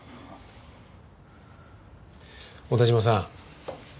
小田嶋さん。